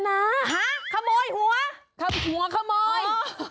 หาขโมยหัวทำหัวขโมย